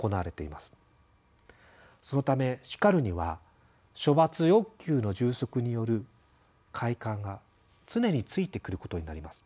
そのため「叱る」には処罰欲求の充足による快感が常についてくることになります。